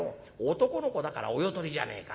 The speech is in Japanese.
男の子だからお世取りじゃねえか。